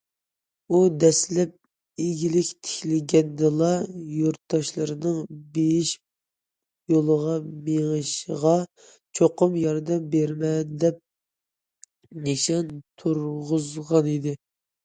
ئۇ دەسلەپ ئىگىلىك تىكلىگەندىلا يۇرتداشلىرىنىڭ بېيىش يولىغا مېڭىشىغا چوقۇم ياردەم بېرىمەن، دەپ نىشان تۇرغۇزغانىدى.